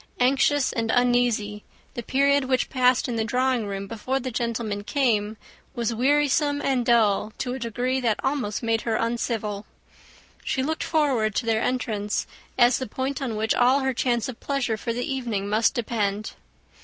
Anxious and uneasy, the period which passed in the drawing room before the gentlemen came, was wearisome and dull to a degree that almost made her uncivil. She looked forward to their entrance as the point on which all her chance of pleasure for the evening must depend.